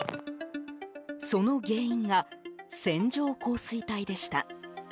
その原因が線状降水帯でした。